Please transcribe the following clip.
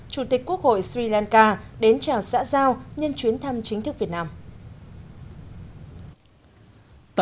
chủ tịch quốc hội sri lanka đến chào xã giao nhân chuyến thăm chính thức việt nam